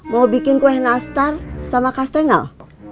mau bikin kue nastar sama kastengel